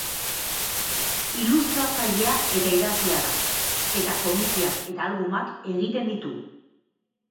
Ilustratzailea eta idazlea da, eta komikiak eta albumak egiten ditu.